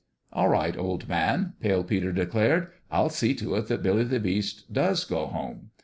"All right, old man!" Pale Peter declared. " I'll see to it that Billy the Beast does go home.